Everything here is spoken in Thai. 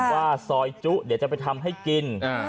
ว่าซอยจุเดี๋ยวจะไปทำให้กิน